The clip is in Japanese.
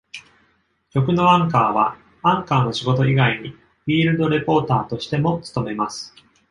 局のアンカーは、アンカーの仕事以外に、フィールドレポーターとしても務めます。